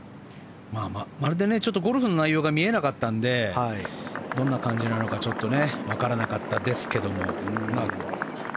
まるでゴルフの内容が見えなかったのでどんな感じなのかちょっとわからなかったですが。